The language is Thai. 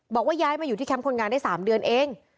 บอกว่าย้ายมาอยู่ที่แคมป์คนงานได้๓เดือนเอง